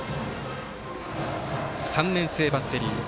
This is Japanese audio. ３年生バッテリー。